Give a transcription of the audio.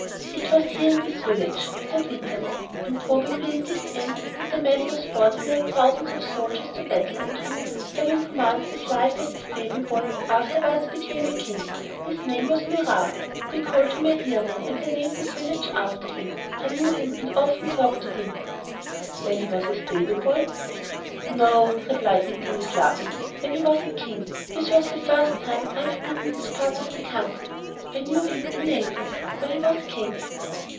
"It was here in this village," said Vitalis, "and probably in this inn, that a man was born who led thousands of soldiers to battle and who, having commenced his life as a stable boy, afterwards became a king. His name was Murat. They called him a hero, and they named this village after him. I knew him and often talked with him." "When he was a stable boy?" "No," replied Vitalis, laughing, "when he was a king. This is the first time I have been in this part of the country. I knew him in Naples, where he was king."